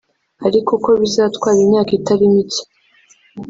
ariko ko bizatwara imyaka itari mike